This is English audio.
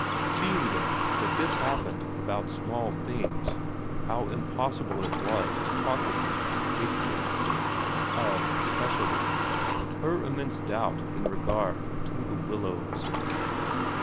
Seeing, then, that this happened about small things, how impossible it was to talk with him of big things ; of, especially, her immense doubt in regard to The Willows.